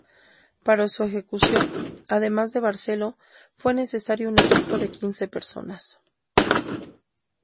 Para su ejecución, además de Barceló, fue necesario un equipo de quince personas.